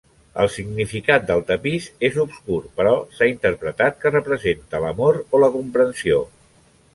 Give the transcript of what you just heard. El significat del tapís és obscur, però s'ha interpretat que representa l'amor o la comprensió.